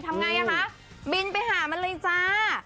ทำไงอ่ะคะบินไปหามันเลยจ้า